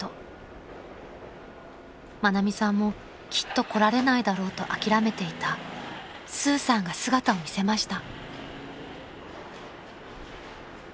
［愛美さんもきっと来られないだろうと諦めていたスーさんが姿を見せました］